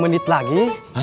lima menit lagi